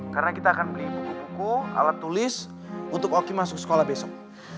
karena kita akan beli buku buku alat tulis untuk oki masuk sekolah besok